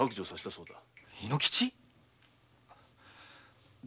そうだな！？